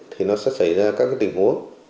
thì nó sẽ xảy ra các cái tình huống